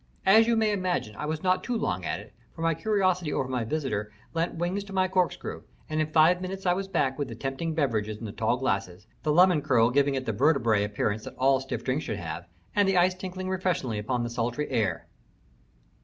As you may imagine, I was not long at it, for my curiosity over my visitor lent wings to my corkscrew, and in five minutes I was back with the tempting beverages in the tall glasses, the lemon curl giving it the vertebrate appearance that all stiff drinks should have, and the ice tinkling refreshingly upon the sultry air.